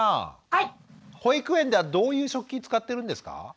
保育園ではどういう食器使ってるんですか？